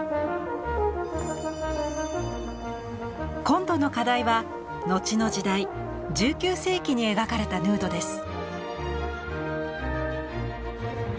今度の課題は後の時代１９世紀に描かれたヌードです。